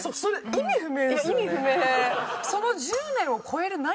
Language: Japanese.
意味不明。